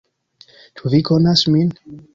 "Ĉu vi konas min?"